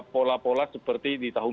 pola pola seperti di tahun dua ribu dua